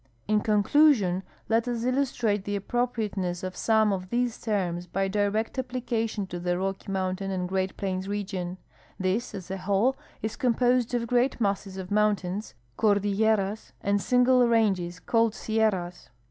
In conclusion, let us illustrate the a])pro])riateness of some of these terms by direct application to tlie Rocky mountain and Great Plains region. This, as a Avhole, is com])osed of great masses of mountains, cordilleras, and single ranges called sierras.